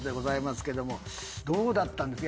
どうだったんですか？